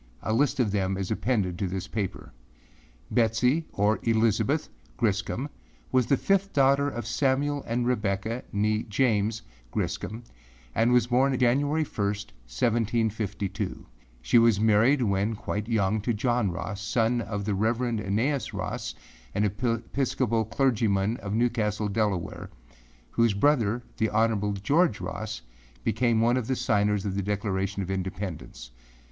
A list of them is appended to this paper. Betsey or Elizabeth Griscom was the fifth daughter of Samuel and Rebecca (James) Griscom and was born January 1, 1752. She was married when quite young to John Ross, son of the Reverend Aeneas Ross, an Episcopal clergyman of Newcastle, Delaware, whose brother, the Hon. George Ross, became one of the signers of the Declaration of Independence.